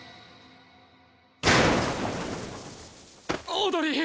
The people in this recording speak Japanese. オードリー